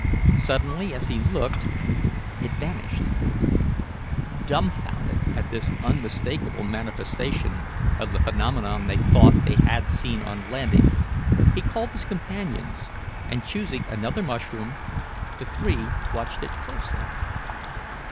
Suddenly, as he looked, it vanished. Dumfounded at this unmistakable manifestation of the phenomenon they thought they had seen on landing, he called his companions, and, choosing another mushroom, the three watched it closely.